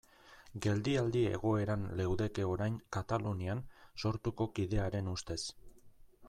Geldialdi egoeran leudeke orain Katalunian Sortuko kidearen ustez.